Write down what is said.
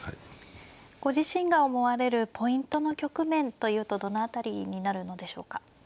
ご自身が思われるポイントの局面というとどの辺りになるのでしょうか。